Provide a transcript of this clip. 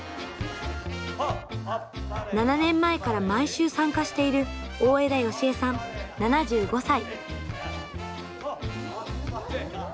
７年前から毎週参加している大條愛枝さん、７５歳。